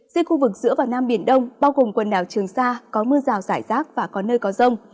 riêng khu vực giữa và nam biển đông bao gồm quần đảo trường sa có mưa rào rải rác và có nơi có rông